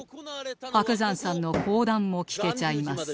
伯山さんの講談も聞けちゃいます。